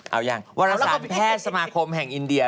เอายังวรสารแพทย์สมาคมแห่งอินเดีย